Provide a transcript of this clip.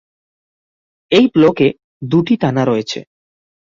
এই ব্লকে দুটি থানা রয়েছে।